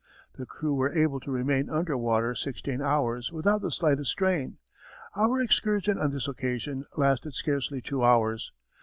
The crew were able to remain under water sixteen hours without the slightest strain. Our excursion on this occasion lasted scarcely two hours.